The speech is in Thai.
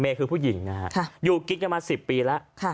เมย์คือผู้หญิงนะฮะอยู่กิ๊กกันมาสิบปีแล้วค่ะ